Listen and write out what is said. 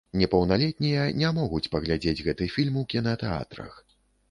Непаўналетнія не могуць паглядзець гэты фільм у кінатэатрах.